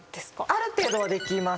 ある程度はできます。